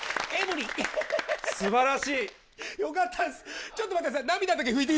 すばらしい。